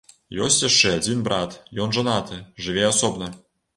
Ёсць яшчэ адзін брат, ён жанаты, жыве асобна.